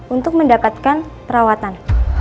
untuk mendapatkan perawatan